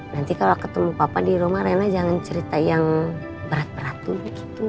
nanti kalo ketemu bapak di rumah rena jangan cerita yang berat berat dulu gitu